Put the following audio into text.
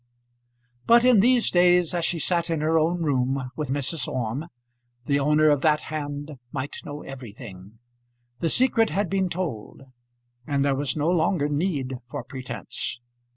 But in these days, as she sat in her own room with Mrs. Orme, the owner of that hand might know everything. The secret had been told, and there was no longer need for pretence.